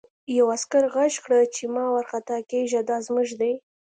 یوه عسکر غږ کړ چې مه وارخطا کېږه دا زموږ دي